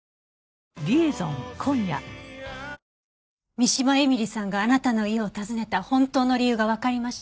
三島絵美里さんがあなたの家を訪ねた本当の理由がわかりました。